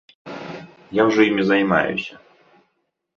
Я ўжо імі займаюся.